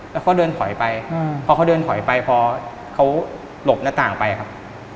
แล้วเขาเดินถอยไปพอเขาเดินถอยไปพอเขาหลบหน้าต่างไปครับ